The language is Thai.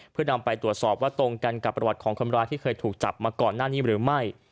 เพื่อนำไปตรวจสอบว่าตรงกันกับประวัติของคนร้ายที่เคยถูกจับมาก่อนหน้านี้หรือไม่